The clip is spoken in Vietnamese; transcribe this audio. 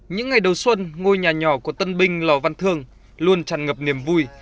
những ngày đầu xuân ngôi nhà nhỏ của tân binh lò văn thương luôn tràn ngập niềm vui